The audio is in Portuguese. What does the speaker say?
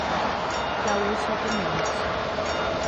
Gaúcha do Norte